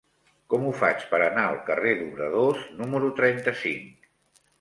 Com ho faig per anar al carrer d'Obradors número trenta-cinc?